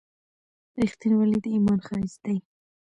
• رښتینولي د ایمان ښایست دی.